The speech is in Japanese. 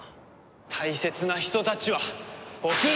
大切な人たちは僕が守る！